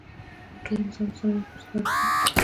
دا د ټول نظام د ظلم یوه برجسته نښه ده.